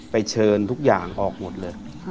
เชิญทุกอย่างออกหมดเลย